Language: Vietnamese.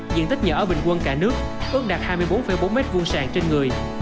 diện tích nhà ở bình quân cả nước ước đạt hai mươi bốn bốn m hai sàng trên người